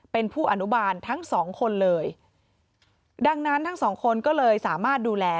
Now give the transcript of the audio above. เป็นผู้อนุบาลทั้งสองคนเลยดังนั้นทั้งสองคนก็เลยสามารถดูแล